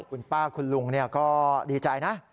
คุณป้าคุณลุงก็ดีใจนะ